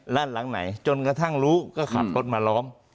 หลังไหนจนกระทั่งรู้ก็ขับรถมาล้อม